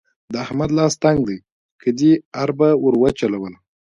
د احمد لاس تنګ دی؛ که دې اربه ور وچلوله.